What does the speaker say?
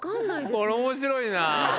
これ面白いなぁ！